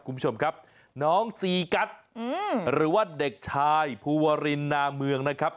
คุณผู้ชมครับน้องซีกัสหรือว่าเด็กชายภูวรินนาเมืองนะครับ